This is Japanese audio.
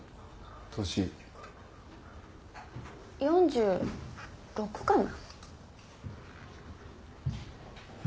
４６かな。